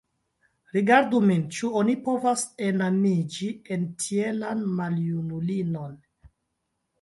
Rigardu min: ĉu oni povas enamiĝi en tielan maljunulinon?